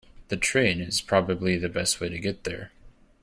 The train is probably the best way to get there.